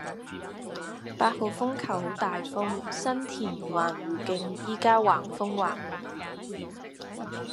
八號風球好大風，新田環湖徑依家橫風橫雨